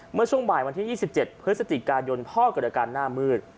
เมื่อช่วงบ่ายวันที่ยี่สิบเจ็ดเพื่อสติการยนต์พ่อเกิดอาการหน้ามืด